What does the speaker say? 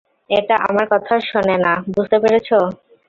এটা আমার কথা শোনে না, বুঝতে পেরেছ?